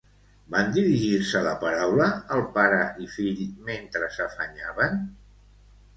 Van dirigir-se la paraula el pare i fill mentre s'afanyaven?